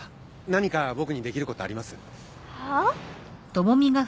何か僕にできることあります？はあ？あっ。